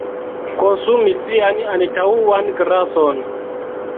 Konsumi sian antaŭan grason.